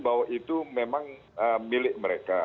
bahwa itu memang milik mereka